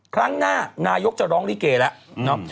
ครั้งหน้านายกจะร้องลิเกแล้ว